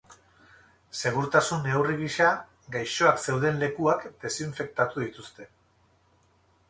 Segurtasun neurri gisa, gaixoak zeuden lekuak desinfektatu dituzte.